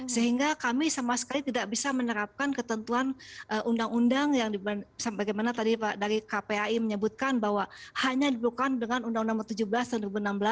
sehingga kami sama sekali tidak bisa menerapkan ketentuan undang undang yang bagaimana tadi pak dari kpai menyebutkan bahwa hanya diperlukan dengan undang undang nomor tujuh belas tahun dua ribu enam belas